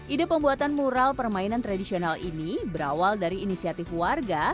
ide pembuatan mural permainan tradisional ini berawal dari inisiatif warga